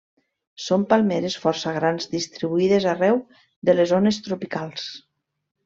Són palmeres força grans distribuïdes arreu de les zones tropicals.